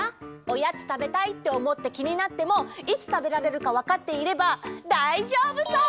おやつたべたいっておもってきになってもいつたべられるかわかっていればだいじょうぶそう！